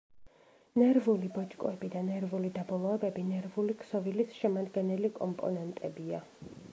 ნერვული ბოჭკოები და ნერვული დაბოლოებები ნერვული ქსოვილის შემადგენელი კომპონენტებია.